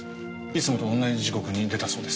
いつもと同じ時刻に出たそうです。